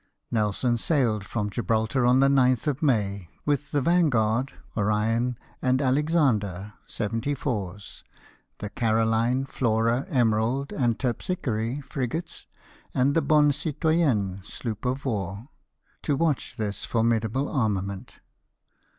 Nelson sailed from Gibraltar on the 9th of May with the Vanguard, Orion, and Alexander, 74's ; the Caroline, Flora, Emerald, and Terpsichore, frigates ; and the Bonne Gitoyenne sloop of war; to watch this formidable armament.